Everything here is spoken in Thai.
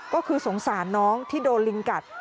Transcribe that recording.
ก็คือสงสารน้องที่โดนลิงกัด